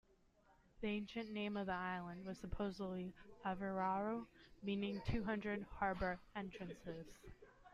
The ancient name of the island was supposedly "Avarau", meaning "two hundred harbour entrances".